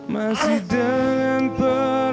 nunggu deh ntar